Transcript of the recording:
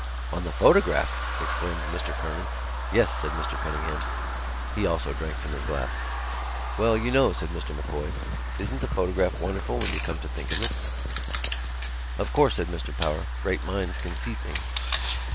"On the photograph!" exclaimed Mr Kernan. "Yes," said Mr Cunningham. He also drank from his glass. "Well, you know," said Mr M'Coy, "isn't the photograph wonderful when you come to think of it?" "O, of course," said Mr Power, "great minds can see things."